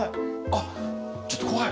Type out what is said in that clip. あっちょっと怖い。